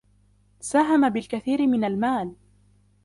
ساهم بالكثير من المال.